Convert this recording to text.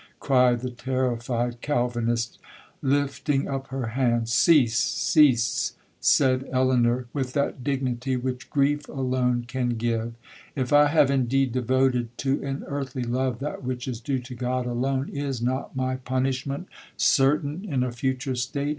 cried the terrified Calvinist, lifting up her hands.—'Cease, cease,' said Elinor with that dignity which grief alone can give,—'If I have indeed devoted to an earthly love that which is due to God alone, is not my punishment certain in a future state?